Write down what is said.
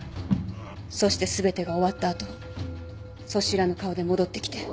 そして全てが終わった後素知らぬ顔で戻ってきて。